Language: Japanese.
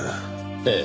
ええ。